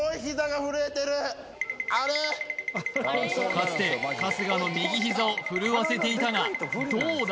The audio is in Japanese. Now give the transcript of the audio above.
かつて春日の右ひざを震わせていたがどうだ？